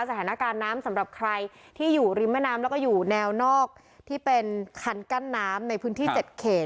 สถานการณ์น้ำสำหรับใครที่อยู่ริมแม่น้ำแล้วก็อยู่แนวนอกที่เป็นคันกั้นน้ำในพื้นที่๗เขต